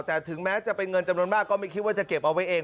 แต่ถึงแม้จะเป็นเงินจำนวนมากก็ไม่คิดว่าจะเก็บเอาไว้เอง